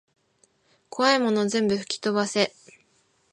こわいもの全部ふきとばせ